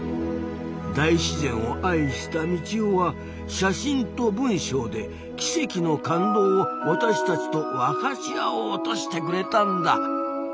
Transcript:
大自然を愛したミチオは写真と文章で奇跡の感動を私たちと分かち合おうとしてくれたんだ。